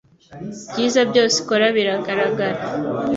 byiza byose ikora biragaragara